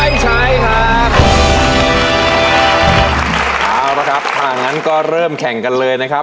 แล้วนะครับก่อนเริ่มแข่งกันเลยนะครับ